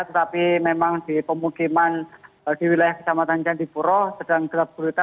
tetapi memang di pemukiman di wilayah ketamatan jantipuro sedang gelap gelita